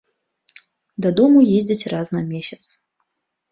Дадому ездзяць раз на месяц.